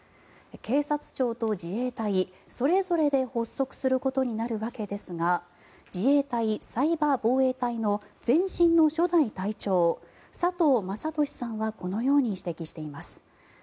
警察庁と自衛隊それぞれで発足することになるわけですが自衛隊サイバー防衛隊の前身の初代隊長、佐藤雅俊氏はこのように指摘しています。